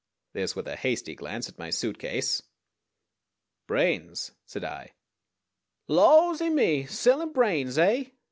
This with a hasty glance at my suitcase. "Brains," said I. "Lawsy me! Sellin' brains, eh?"